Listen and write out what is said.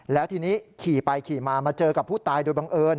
แล้วทีนี้ขี่ไปขี่มามาเจอกับผู้ตายโดยบังเอิญ